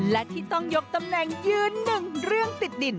และที่ต้องยกตำแหน่งยืนหนึ่งเรื่องติดดิน